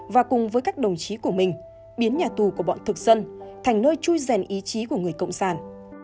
và cùng với các đồng chí của mình biến nhà tù của bọn thực dân thành nơi chui rèn ý chí của người cộng sản